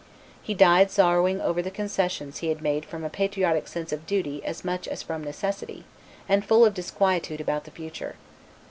He died sorrowing over the concessions he had made from a patriotic sense of duty as much as from necessity, and full of disquietude about the future.